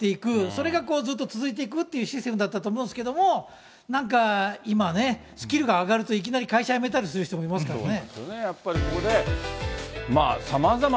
それがずっと続いていくっていうシステムだったと思うんですけど、なんか今ね、スキルが上がると、いきなり会社辞めたりする人もいますからね。